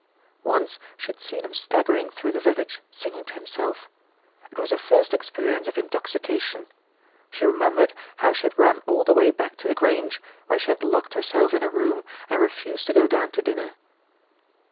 Once she had seen him staggering through the vil lage singing to himself. It was her first experience of intoxication. She remembered how she had run all the way back to The Grange, where she had locked herself in her room and refused to go down to dinner.